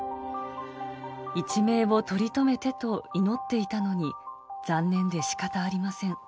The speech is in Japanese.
一命をとりとめてと祈っていたのに、残念でしかたありません。